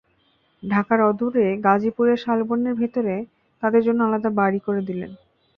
ঢাকার অদূরে গাজীপুরের শালবনের ভেতরে তাদের জন্য আলাদা বাড়ি করে দিলেন।